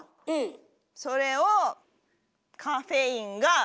それをカフェインが。